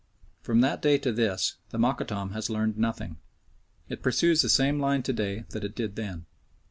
From that day to this the Mokattam has learned nothing. It pursues the same line to day that it did then.